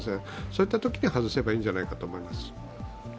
そういったときに外せばいいんじゃないかと思います。